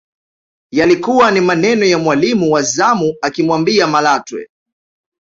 Yalikuwa ni maneno ya mwalimu wa zamu akimwambia Malatwe